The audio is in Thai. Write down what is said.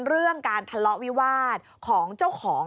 เป็นเรื่องการธละวิวาตของเจ้าของ